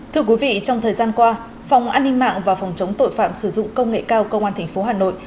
thưa quý vị trong thời gian qua phòng an ninh mạng và phòng chống tội phạm sử dụng công nghệ cao công an tp hà nội